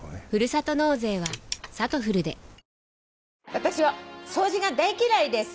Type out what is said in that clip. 「私は掃除が大嫌いです。